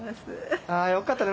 あよかった。